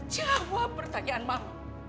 jawab pertanyaan mam